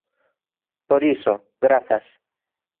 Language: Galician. Por iso, grazas.